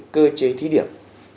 cơ chế thí điểm